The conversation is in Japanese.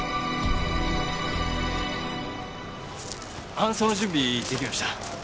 搬送の準備出来ました。